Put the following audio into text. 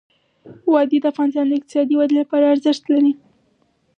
وادي د افغانستان د اقتصادي ودې لپاره ارزښت لري.